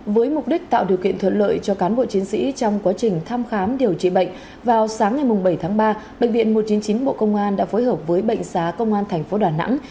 với mục đích tạo điều kiện thuận lợi cho cán bộ chiến sĩ trong quá trình thăm khám điều trị bệnh vào sáng ngày bảy tháng ba bệnh viện một trăm chín mươi chín bộ công an đã phối hợp với bệnh xá công an tp đà nẵng